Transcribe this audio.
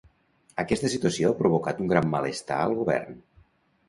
Aquesta situació ha provocat un gran malestar al Govern.